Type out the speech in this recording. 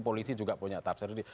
polisi juga punya tafsir